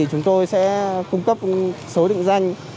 chúng tôi sẽ cung cấp số định danh